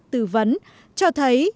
tư vấn cho thấy